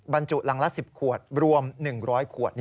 บรรจุรังละ๑๐ขวดรวม๑๐๐ขวด